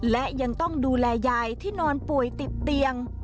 และยังต้องดูแลยายที่นอนป่วยติดเตียง